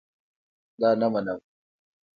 دا نه منم